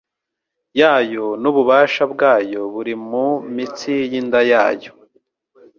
yayo N ububasha bwayo buri mu mitsi y inda yayo